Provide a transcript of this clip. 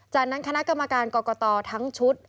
จากนั้นคณะกรรมการกรกตทั้งชุด